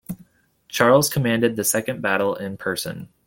Charles commanded the second battle in person.